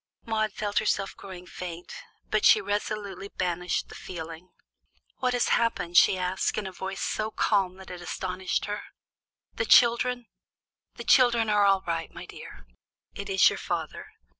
Maude felt herself growing faint, but she resolutely banished the feeling. "What has happened?" she asked, in a voice so calm that it astonished herself. "The children?" "The children are all right, my dear. It is your father."